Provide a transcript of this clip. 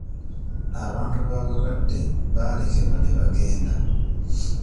Abantu b'abalwadde baalekebwa ne bagenda.